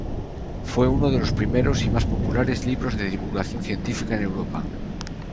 Fue uno de los primeros, y más populares, libros de divulgación científica en Europa.